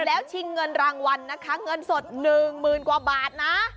แล้วชิงเงินรางวัลนะคะเงินสด๑หมื่นกว่าบาทนะ